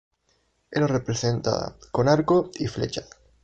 Era representada con arco y flechas.